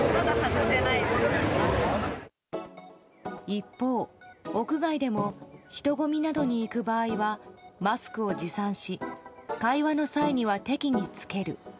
一方、屋外でも人混みなどに行く場合はマスクを持参し会話の際には適宜着ける。